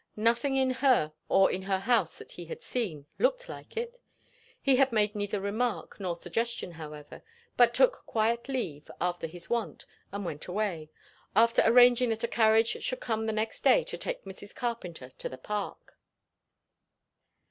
Nothing in her or in her house that he had seen, looked like it. He made neither remark nor suggestion however, but took quiet leave, after his wont, and went away; after arranging that a carriage should come the next day to take Mrs. Carpenter to the Park.